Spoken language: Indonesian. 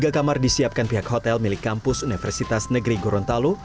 tiga kamar disiapkan pihak hotel milik kampus universitas negeri gorontalo